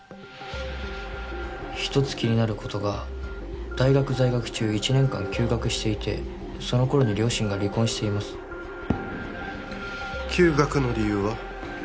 一つ気になることが大学在学中１年間休学していてその頃に両親が離婚しています休学の理由は？